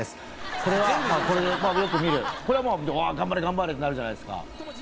これはまぁ頑張れ頑張れってなるじゃないですか。